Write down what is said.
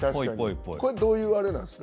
これは、どういうあれなんですか。